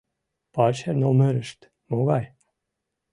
Пачер номерышт могай?